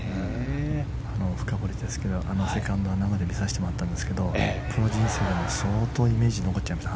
深掘りですけどセカンドは生で見させてもらったんですがプロ人生の相当、イメージに残っちゃいました。